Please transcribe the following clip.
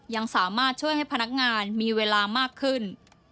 ยังสามารถช่วยให้พนักงานมีเวลามากขึ้น